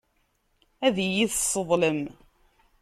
Ad iyi-tesseḍlem.